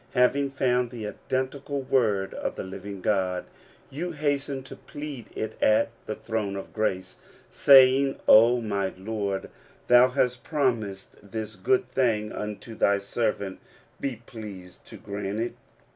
Having found the identical word of the living God, you hasten to plead it at the throne of grace, saying, "O my Lord, thou hast promised this good thing unto thy servant ; be pleased to grant it